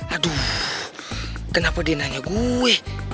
aduh kenapa dia nanya gue